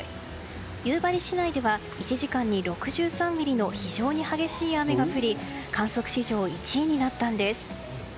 夕張市内では１時間に６３ミリの非常に激しい雨が降り観測史上１位になったんです。